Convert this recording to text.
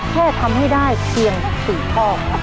แค่ทำให้ได้เพียง๔ข้อครับ